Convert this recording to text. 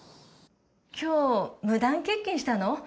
今日無断欠勤したの？